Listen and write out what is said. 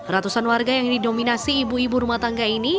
ratusan warga yang didominasi ibu ibu rumah tangga ini